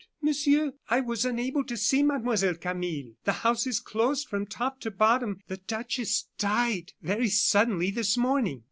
"Monsieur, I was unable to see Mademoiselle Camille. The house is closed from top to bottom. The duchess died very suddenly this morning."